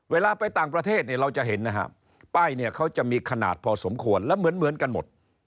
เวลาไปต่างประเทศเราจะเห็นนะครับป้ายเขาจะมีขนาดพอสมควรและเหมือนกันหมด